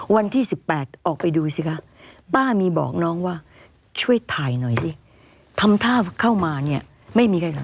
วันที่๑๘ออกไปดูสิคะป้ามีบอกน้องว่าช่วยถ่ายหน่อยดิทำท่าเข้ามาเนี่ยไม่มีใครทำ